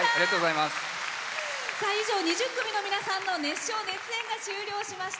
以上、２０組の皆さんの熱唱・熱演が終了しました。